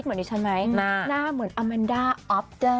นานานีจะได้เห็นเชอรี่เขินมากน้า